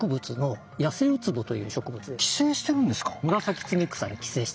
え植物に寄生してるんですか？